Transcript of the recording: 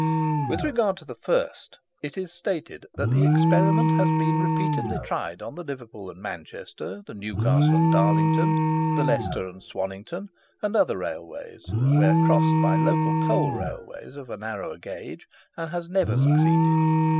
With regard to the first, it is stated that the experiment has been repeatedly tried on the Liverpool and Manchester, the Newcastle and Darlington, the Leicester and Swannington, and other Railways, where crossed by local coal Railways of a narrower gauge, and has never succeeded.